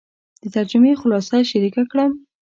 د ترجمې خلاصه شریکه کړم.